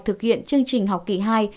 thực hiện chương trình học kỳ hai